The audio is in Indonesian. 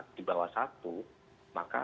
di bawah satu maka